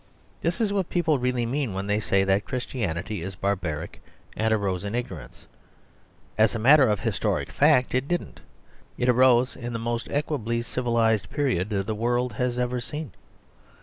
This is what people really mean when they say that Christianity is barbaric, and arose in ignorance. As a matter of historic fact, it didn't; it arose in the most equably civilised period the world has ever seen.